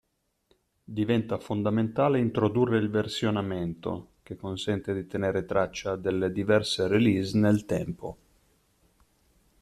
Diventa fondamentale introdurre il versionamento che consente di tenere traccia delle diverse release nel tempo.